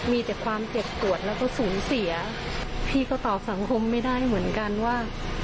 มีแต่ความเจ็บปวดแล้วก็สูญเสียพี่ก็ตอบสังคมไม่ได้เหมือนกันว่า